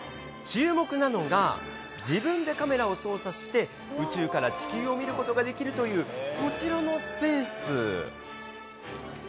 注目なのが、自分でカメラを操作して、宇宙から地球を見ることができるというこちらのスペース。